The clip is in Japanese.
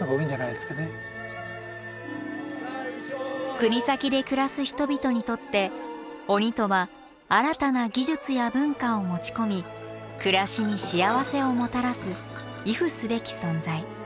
国東で暮らす人々にとって鬼とは新たな技術や文化を持ち込み暮らしに幸せをもたらす畏怖すべき存在。